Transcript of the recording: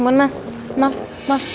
andai cuman pak